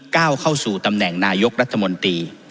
ก้าวเข้าสู่ตำแหน่งนายกรัฐมนตรี